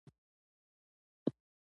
زه نهه څلوېښت ورځې مخکې دې ځای ته راغلی وم.